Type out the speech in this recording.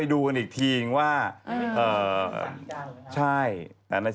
อ๋อใช่มันจะไม่ดีการ๊